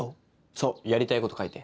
そうやりたいこと書いて。